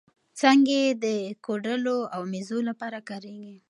څانګې یې د کوډلو او مېزو لپاره کارېږي.